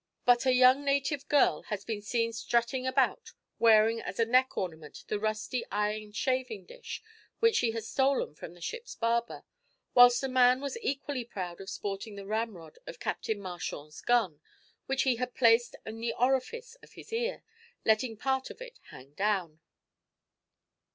But a young native girl has been seen strutting about wearing as a neck ornament the rusty iron shaving dish which she had stolen from the ship's barber, whilst a man was equally proud of sporting the ramrod of Captain Marchand's gun, which he had placed in the orifice of his ear, letting part of it hang down."